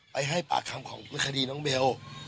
ให้ปากคำของคดีน้องเบล